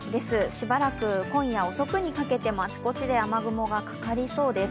しばらく今夜遅くにかけても、あちこちで雨雲がかかりそうです。